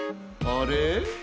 あれ？